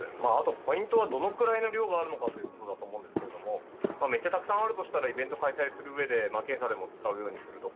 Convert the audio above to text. ポイントはどのくらいの量があるかということだと思うんですけどもたくさんあるんだとしたらイベントを開催したうえで検査でも使うようにするとか。